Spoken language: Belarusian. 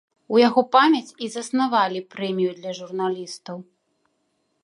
У яго памяць і заснавалі прэмію для журналістаў.